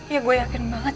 ya gue yakin banget